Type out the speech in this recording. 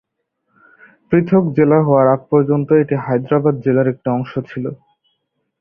পৃথক জেলা হওয়ার আগ পর্যন্ত এটি হায়দ্রাবাদ জেলার একটি অংশ ছিল।